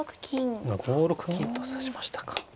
５六金と指しましたか。